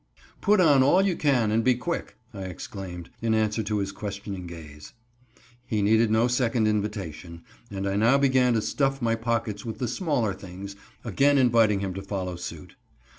"Put on all you can and be quick," I exclaimed, in answer to his questioning gaze. He needed no second invitation, and I now began to stuff my pockets with the smaller things, again inviting him to follow suit.